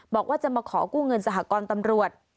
บอกว่าจะมาขอกู้เงินสหกรตำรวจ